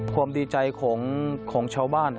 ความดีใจของชาวบ้าน